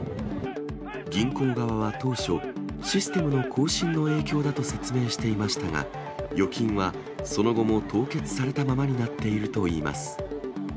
銀行側は当初、システムの更新の影響だと説明していましたが、預金はその後も凍結されたままになっているといいます。